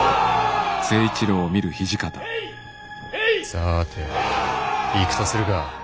さぁて行くとするか。